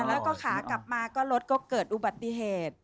แล้วก็ขากลับมาก็รถก็เกิดอุบัติเหตุ